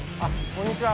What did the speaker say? こんにちは。